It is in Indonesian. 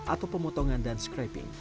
atau pemotongan dan scraping